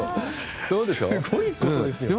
すごいことですよ。